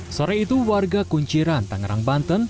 sore itu warga kunciran tangerang banten